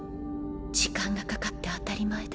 時間がかかって当たり前だ